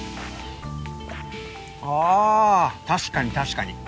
ああ確かに確かに。